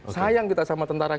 sayang kita sama tentara